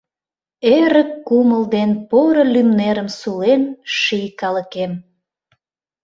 Эрык кумыл ден поро лӱм-нерым сулен Ший калыкем.